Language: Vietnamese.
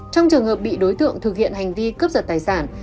trong trường hợp bị đối tượng thực hiện hành vi cướp giật tài sản